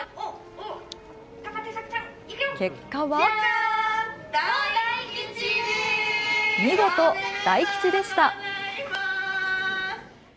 結果は見事、大吉でした。